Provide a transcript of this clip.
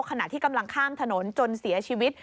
ขณะที่กำลังข้ามถนนจนเสียชีวิต